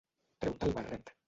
Treu-te el barret.